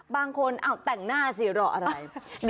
บางคนอ่าวแต่งหน้าสิเหรออะไร